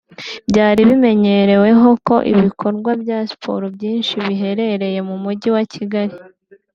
Byari bimenyerewe ko ibikorwa bya Siporo byinshi biherereye mu mujyi wa Kigali